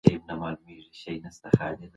د فعالیت ډولونه باید مختلف وي.